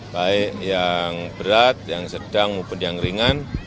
baik yang berat yang sedang maupun yang ringan